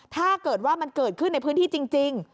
ถ้าเกิดว่ามันเกิดขึ้นในพื้นที่จริง